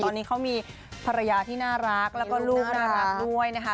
ตอนนี้เขามีภรรยาที่น่ารักแล้วก็ลูกน่ารักด้วยนะคะ